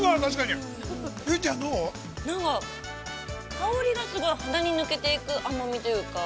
◆香りがすごい鼻に抜けていく甘みというか。